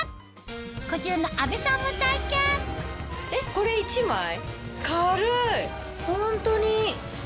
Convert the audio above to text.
こちらの阿部さんも体験ホントに。